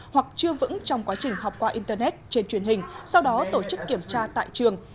hoặc chưa vững trong quá trình học qua internet trên truyền hình sau đó tổ chức kiểm tra tại trường